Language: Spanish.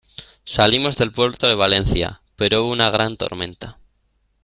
salimos del puerto de Valencia, pero hubo una gran tormenta.